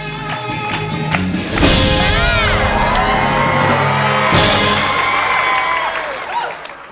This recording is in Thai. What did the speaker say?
เย้